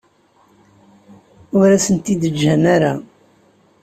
Ur asen-t-id-ǧǧan ara.